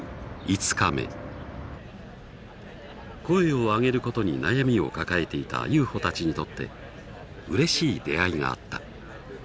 声を上げることに悩みを抱えていた有穂たちにとってうれしい出会いがあった。